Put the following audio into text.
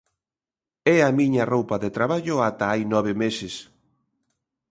É a miña roupa de traballo ata hai nove meses.